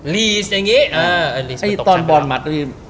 ลีสอย่างงี้